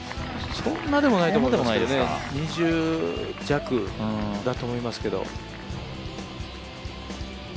そんなでもないと思うんですけど２０弱だと思いますけど。